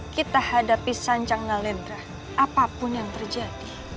kita hadapi sanjang nalendra apapun yang terjadi